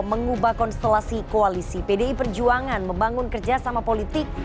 mengubah konstelasi koalisi pdi perjuangan membangun kerjasama politik